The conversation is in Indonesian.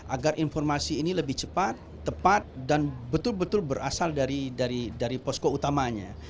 agar informasi ini lebih cepat tepat dan betul betul berasal dari posko utamanya